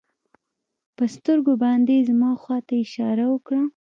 په سترګو باندې يې زما خوا ته اشاره وکړه.